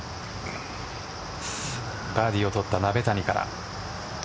バーディーを取った鍋谷から。